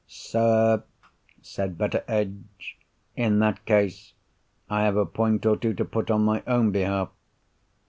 "Sir," said Betteredge, "in that case, I have a point or two to put on my own behalf."